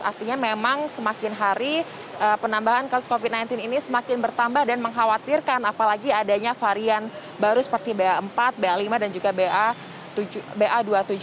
artinya memang semakin hari penambahan kasus covid sembilan belas ini semakin bertambah dan mengkhawatirkan apalagi adanya varian baru seperti ba empat ba lima dan juga ba dua ratus tujuh puluh